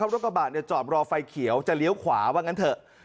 รถกระบะจอดรอไฟเขียวจะเลี้ยวขวาว่างั้นเถอะ